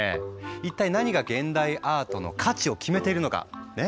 一体何が現代アートの価値を決めているのかね